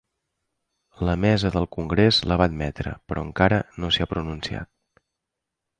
La mesa del congrés la va admetre, però encara no s’hi ha pronunciat.